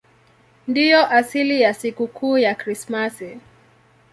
Ndiyo asili ya sikukuu ya Krismasi.